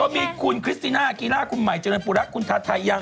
ก็มีคุณคริสติน่าอากีล่าคุณหมายเจรนปุระ